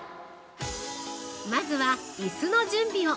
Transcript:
◆まずは、椅子の準備を。